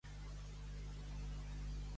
Quants senadors tindrà Ciutadans?